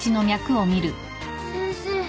先生。